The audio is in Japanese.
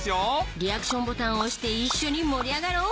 リアクションボタンを押して一緒に盛り上がろう！